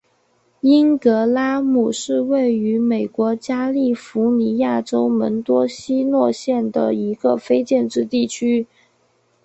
因格拉姆是位于美国加利福尼亚州门多西诺县的一个非建制地区。